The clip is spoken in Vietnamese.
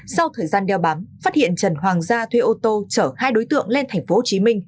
sau thời gian đeo bám phát hiện trần hoàng gia thuê ô tô chở hai đối tượng lên tp hcm